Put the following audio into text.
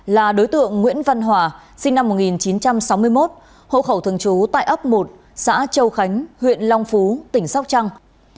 là đối tượng nguyễn văn hòa sinh năm một nghìn chín trăm sáu mươi một hộ khẩu thường trú tại ấp một xã châu khánh huyện long phú tỉnh sóc trăng